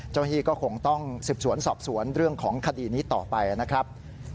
เจ้าหน้าที่ก็คงต้องสืบสวนสอบสวนเรื่องของคดีนี้ต่อไปนะครับ